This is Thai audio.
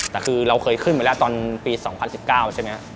แต่คือเราเคยขึ้นไปแล้วตอนปี๒๐๑๙ใช่ไหม